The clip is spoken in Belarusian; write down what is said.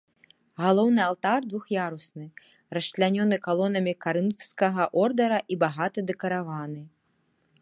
Галоўны алтар двух'ярусны, расчлянёны калонамі карынфскага ордара і багата дэкараваны.